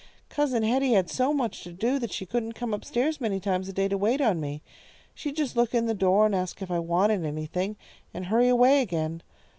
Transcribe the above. Cousin Hetty had so much to do that she couldn't come up stairs many times a day to wait on me. She'd just look in the door and ask if I wanted anything, and hurry away again.